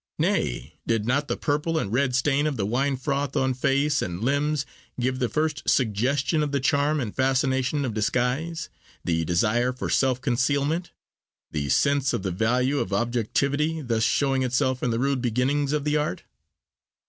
Nay, did not the purple and red stain of the wine froth on face and limbs give the first suggestion of the charm and fascination of disguise—the desire for self concealment, the sense of the value of objectivity thus showing itself in the rude beginnings of the art?